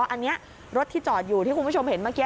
อันนี้รถที่จอดอยู่ที่คุณผู้ชมเห็นเมื่อกี้